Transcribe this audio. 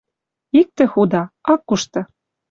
Иктӹ худа: ак кушты.